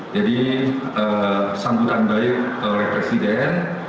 jadi sambutan baik oleh presiden